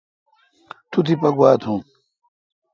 تو تیپہ گوا تھون۔